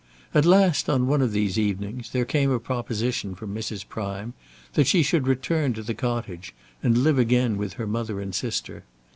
At last, on one of these evenings, there came a proposition from Mrs. Prime that she should return to the cottage, and live again with her mother and sister.